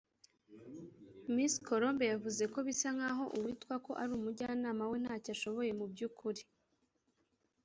Miss Colombe yavuze ko bisa nk’aho uwitwa ko ari umujyanama we ntacyo ashoboye mu by’ukuri